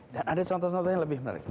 ada contoh contoh yang lebih menarik